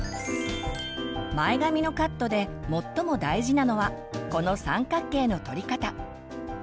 前髪のカットで最も大事なのはこの三角形のとり方。